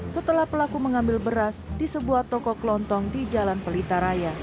setelah pelaku mengambil beras di sebuah toko kelontong di jalan pelitaraya